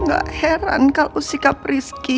gak heran kalau sikap rizky